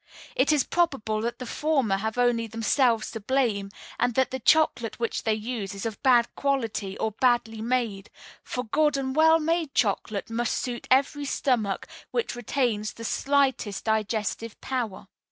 It is probable that the former have only themselves to blame, and that the chocolate which they use is of bad quality or badly made; for good and well made chocolate must suit every stomach which retains the slightest digestive power.